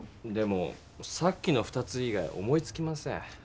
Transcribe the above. でもさっきの２つ以外思いつきません。